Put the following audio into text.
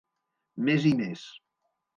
Més i més.